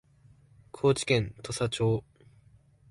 高知県土佐町